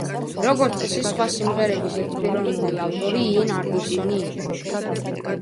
როგორც წესი, სხვა სიმღერების ერთპიროვნული ავტორი იენ ანდერსონი იყო.